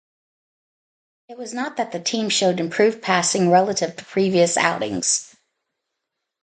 It was not that the team showed improved passing relative to previous outings.